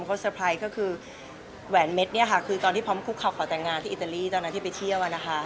คุณพร้อมว่าเซอร์ไพรส์ก็คือแหวนเม็ดคือตอนที่พร้อมคุกเขาขอแต่งงานที่อิตาลีตอนที่ไปเที่ยว